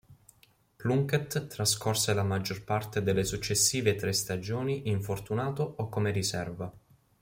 Plunkett trascorse la maggior parte delle successive tre stagioni infortunato o come riserva.